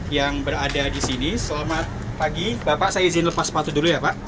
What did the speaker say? yang berada di sini selamat pagi bapak saya izin lepas sepatu dulu ya pak